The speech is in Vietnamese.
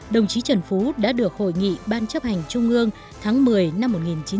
đồng chí trần phú đã được hội nghị ban chấp hành trung ương tháng một mươi năm một nghìn chín trăm bảy mươi